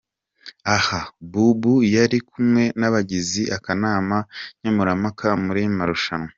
Aha Boubou yari kumwe n'abagize akanama nkemurampaka muri aya marushanwa.